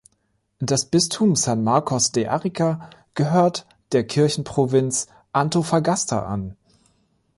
Das Bistum San Marcos de Arica gehört der Kirchenprovinz Antofagasta an.